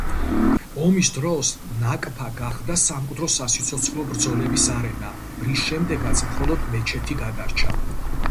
ომის დროს ნაკფა გახდა სამკვდრო-სასიცოცხლო ბრძოლების არენა, რის შემდეგაც მხოლოდ მეჩეთი გადარჩა.